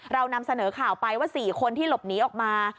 เรานำเสนอข่าวไปว่า๔คนที่หลบหนีออกมา